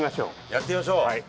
やってみましょう！